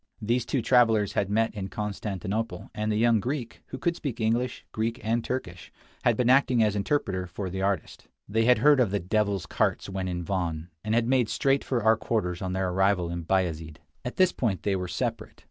These two travelers had met in Constantinople, and the young Greek, who could speak English, Greek, and Turkish, had been acting as interpreter for the artist. They had heard of the "devil's carts" when in Van, and had made straight for our quarters on their arrival in Bayazid. At this point they were to separate.